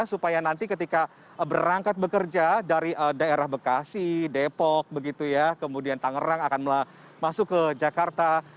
supaya nanti ketika berangkat bekerja dari daerah bekasi depok tangerang akan masuk ke jakarta